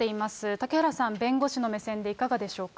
嵩原さん、弁護士の目線でいかがでしょうか。